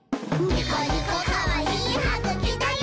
ニコニコかわいいはぐきだよ！」